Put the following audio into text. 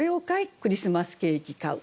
クリスマスケーキ買ふ」